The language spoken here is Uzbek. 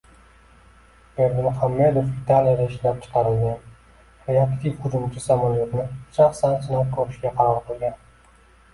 Berdimuhamedov Italiyada ishlab chiqarilgan reaktiv hujumchi samolyotni shaxsan sinab ko‘rishga qaror qilgan